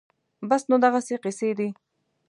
بس نو دغسې قېصې دي